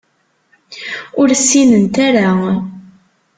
Ur ssinent ara.